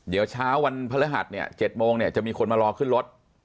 เดี๋ยวเช้าวันพระหัส๗โมงจะมีคนมารอขึ้นรถ